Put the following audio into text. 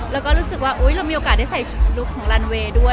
เราก็รู้สึกว่าเรามีโอกาสได้ใส่รูปของลันเวย์ด้วย